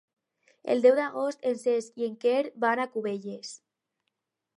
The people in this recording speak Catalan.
El deu d'agost en Cesc i en Quer van a Cubelles.